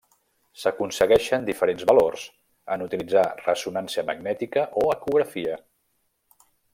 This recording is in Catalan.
S'aconsegueixen diferents valors en utilitzar ressonància magnètica o ecografia.